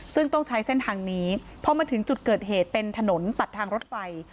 ซึ่งต้องใช้เส้นทางนี้พอมาถึงจุดเกิดเหตุเป็นถนนตัดทางรถไฟ